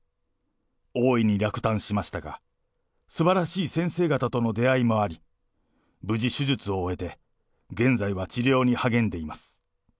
大いに落胆しましたが、すばらしい先生方との出会いもあり、無事、手術を終えて、現在は治療に励んでいます。